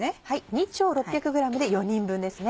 ２丁６００ｇで４人分ですね。